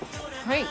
はい。